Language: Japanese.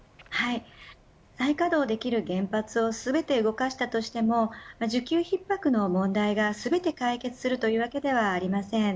再稼働できる原発を全て動かしたとしても需給逼迫の問題が全て解決するというわけではありません。